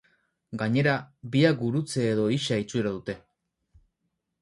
Gainera, biak gurutze edo ixa itxura dute.